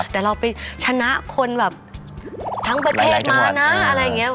แต่เราไปชนะคนแบบทั้งประเทศมานะอะไรอย่างนี้